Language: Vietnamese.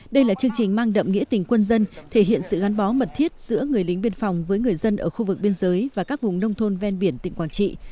đây là chương trình mang đậm nghĩa tình quân dân thể hiện sự gắn bó mật thiết giữa người lính biên phòng với người dân ở khu vực biên giới và các vùng nông thôn ven biển tỉnh quảng trị